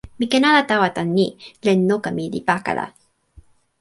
mi ken ala tawa tan ni: len noka mi li pakala.